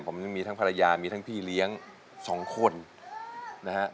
ผมยังมีทั้งภรรยามีทั้งพี่เลี้ยง๒คนนะฮะ